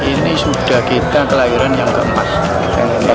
ini sudah kita kelahiran yang keempat